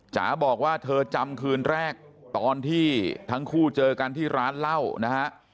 จ๋าบอกว่าเธอจำคืนแรกตอนที่ทั้งคู่เจอกันที่ร้านเหล้านะฮะ